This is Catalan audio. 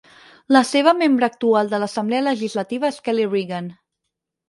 La seva membre actual de l'Assemblea Legislativa és Kelly Regan.